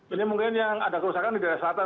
ini mungkin yang ada kerusakan di daerah selatan